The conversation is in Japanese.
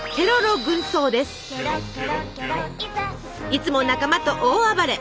いつも仲間と大暴れ！